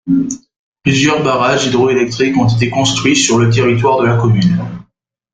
Plusieurs barrages hydroélectriques ont été construits sur le territoire de la commune.